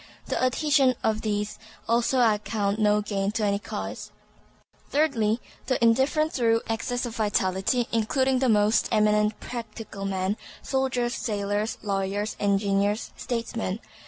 The adhesion of these also I count no gain to any cause. Thirdly, the indifferent through excess of vitality, including the most eminent "practical" men, soldiers, sailors, lawyers, engineers, statesmen.